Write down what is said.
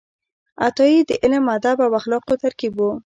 عطايي د علم، ادب او اخلاقو ترکیب و.